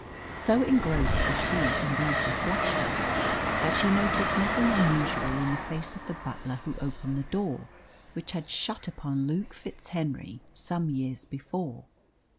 So engrossed was she in these reflections, that she noticed nothing unusual in the face of the butler who opened the door which had shut upon Luke FitzHenry some years before.